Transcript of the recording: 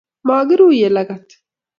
makiruiye lagat